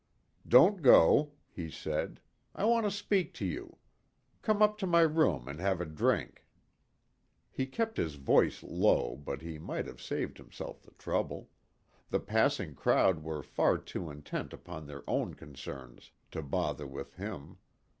"Don't go," he said. "I want to speak to you. Come up to my room and have a drink." He kept his voice low, but he might have saved himself the trouble. The passing crowd were far too intent upon their own concerns to bother with him.